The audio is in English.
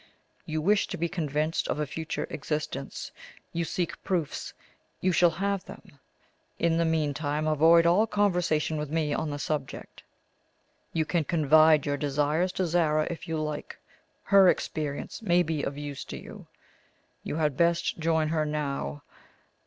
You wish to be convinced of a future existence; you seek proofs; you shall have them. In the meantime avoid all conversation with me on the subject. You can confide your desires to Zara if you like; her experience may be of use to you. You had best join her now.